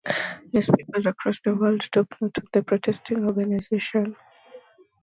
Newspapers across the world took note of the protesting organization.